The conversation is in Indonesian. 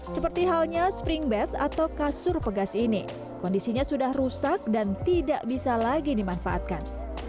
seperti halnya spring bed atau kasur pegas ini kondisinya sudah rusak dan tidak bisa lagi dimanfaatkan